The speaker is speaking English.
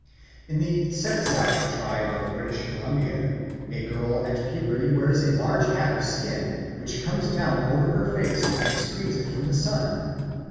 In the Tsetsaut tribe of British Columbia a girl at puberty wears a large hat of skin which comes down over her face and screens it from the sun.